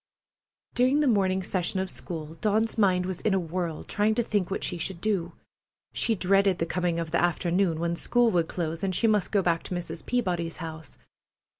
During the morning session of school Dawn's mind was in a whirl, trying to think what she should do. She dreaded the coming of the afternoon, when school would close, and she must go back to Mrs. Peabody's house.